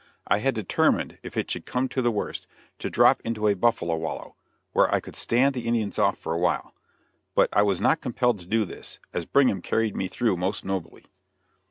I had determined, if it should come to the worst, to drop into a buffalo wallow, where I could stand the Indians off for a while; but I was not compelled to do this, as Brigham carried me through most nobly.